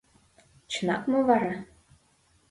— Чынак мо вара?